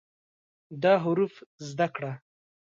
دا حروف زده کړه